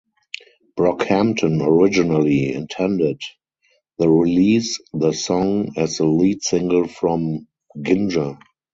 Brockhampton originally intended the release the song as the lead single from "Ginger".